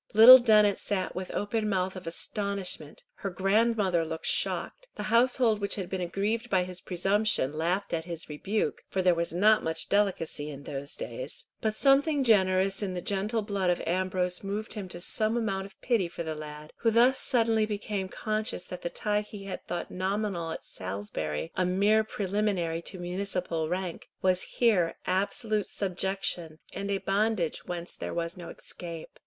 Little Dennet sat with open mouth of astonishment, her grandmother looked shocked, the household which had been aggrieved by his presumption laughed at his rebuke, for there was not much delicacy in those days; but something generous in the gentle blood of Ambrose moved him to some amount of pity for the lad, who thus suddenly became conscious that the tie he had thought nominal at Salisbury, a mere preliminary to municipal rank, was here absolute subjection, and a bondage whence there was no escape.